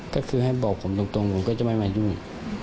ก็คือให้บอกผมตรงผมก็จะไม่มายุ่ง